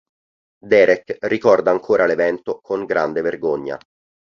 Derek ricorda ancora l'evento con grande vergogna.